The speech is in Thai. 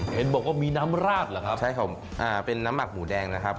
เห็นบอกว่ามีน้ำราดเหรอครับใช่ครับอ่าเป็นน้ำหมักหมูแดงนะครับ